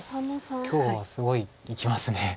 今日はすごいいきますね。